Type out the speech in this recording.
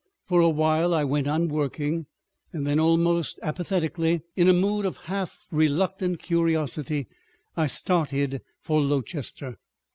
For a while I went on working, and then almost apathetically, in a mood of half reluctant curiosity, I started for Lowchester.